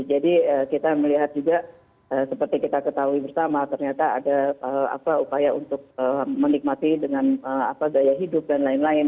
jadi kita melihat juga seperti kita ketahui bersama ternyata ada apa upaya untuk menikmati dengan apa gaya hidup dan lain lain